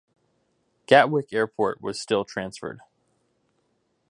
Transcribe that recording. Gatwick Airport was still transferred.